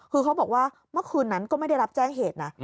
คือเขาบอกว่าเมื่อคืนนั้นก็ไม่ได้รับแจ้งเหตุนะ